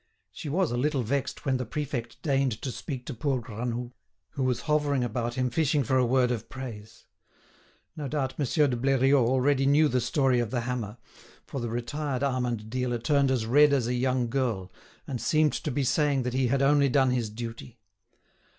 She was a little vexed when the prefect deigned to speak to poor Granoux, who was hovering about him fishing for a word of praise. No doubt Monsieur de Bleriot already knew the story of the hammer, for the retired almond dealer turned as red as a young girl, and seemed to be saying that he had only done his duty.